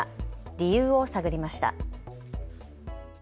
理由を探りました。